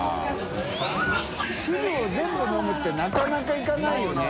修Δ舛鯀管飲むってなかなかいかないよね。